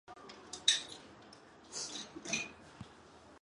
巴西豹蟾鱼的图片